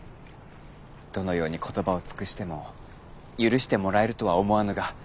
どのように言葉を尽くしても許してもらえるとは思わぬが。